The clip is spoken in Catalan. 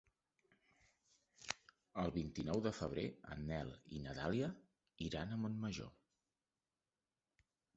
El vint-i-nou de febrer en Nel i na Dàlia iran a Montmajor.